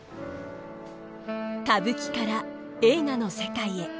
歌舞伎から映画の世界へ。